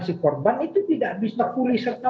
si korban itu tidak bisa pulih serta